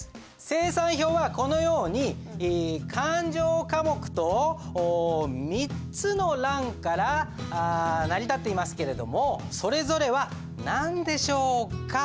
精算表はこのように勘定科目と３つの欄から成り立っていますけれどもそれぞれは何でしょうか？